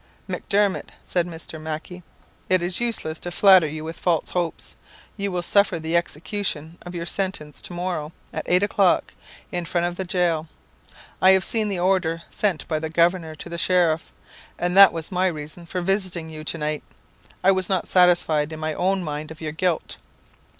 "Macdermot," said Mr. Mac ie, "it is useless to flatter you with false hopes. You will suffer the execution of your sentence to morrow, at eight o'clock, in front of the jail. I have seen the order sent by the governor to the sheriff, and that was my reason for visiting you to night. I was not satisfied in my own mind of your guilt.